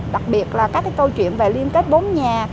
đặc biệt là các câu chuyện về liên kết bốn nhà